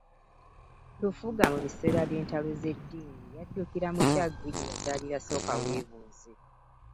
Lufuga mu biseera by’entalo z’eddiini yaddukira mu Kyaggwe gye yazaalira Sookaweebuuze.